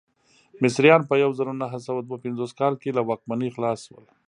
مصریان په یو زرو نهه سوه دوه پنځوس کال کې له واکمنۍ خلاص شول.